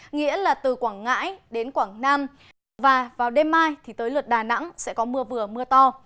nghĩa là từ quảng ngãi đến quảng nam và vào đêm mai tới lượt đà nẵng sẽ có mưa vừa mưa to